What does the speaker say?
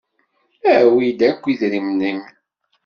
Awi-d akk idrimen-im!